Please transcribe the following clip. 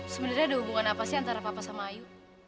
sebenarnya ada hubungan apa sih antara papa sama ayu